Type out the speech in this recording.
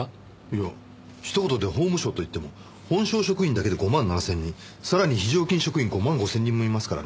いや一言で法務省といっても本省職員だけで５万７０００人さらに非常勤職員５万５０００人もいますからね。